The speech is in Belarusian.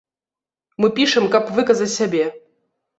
Мы пішам, каб выказаць сябе.